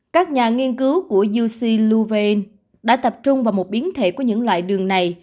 các nhà nghiên cứu của uc louvreen đã tập trung vào một biến thể của những loại đường này